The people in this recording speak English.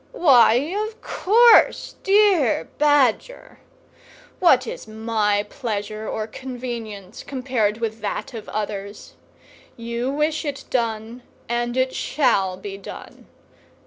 Why, of course, dear Badger! What is my pleasure or convenience compared with that of others! You wish it done, and it shall be done.